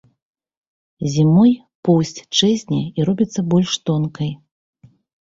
Зімой поўсць чэзне і робіцца больш тонкай.